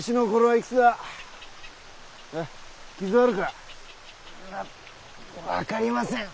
いや分かりません。